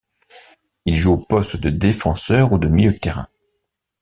Il joue au poste de défenseur ou de milieu de terrain.